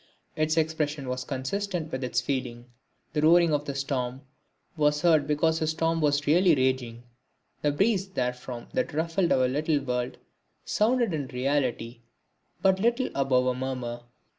Its expression was consistent with its feeling. The roaring of the storm was heard because a storm was really raging. The breeze therefrom that ruffled our little world sounded in reality but little above a murmur.